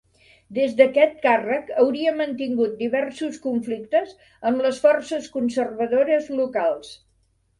Des d'aquest càrrec hauria mantingut diversos conflictes amb les forces conservadores locals.